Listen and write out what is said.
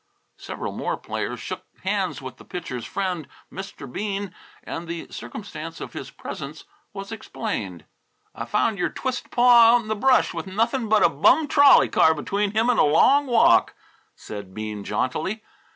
Several more players shook hands with the Pitcher's friend, Mr. Bean, and the circumstance of his presence was explained. "I found your twist paw out in the brush with nothing but a bum trolley car between him and a long walk," said Bean jauntily.